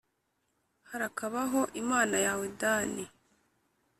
harakabaho imana yawe, dani